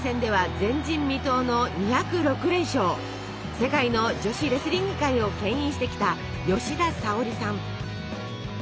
世界の女子レスリング界をけん引してきた吉田沙保里さん。